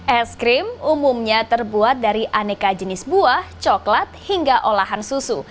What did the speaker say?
es krim umumnya terbuat dari aneka jenis buah coklat hingga olahan susu